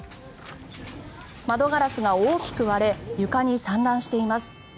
窓ガラスが大きく割れ床に散乱しています。